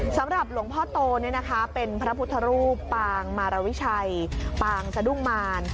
สำหรับหลวงพ่อโตเป็นพระพุทธรูปปางมารวิชัยปางสะดุ้งมาร